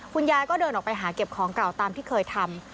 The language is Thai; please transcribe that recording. คุณยายก็เดินออกไปหาเก็บของเก่าตามที่เคยทำ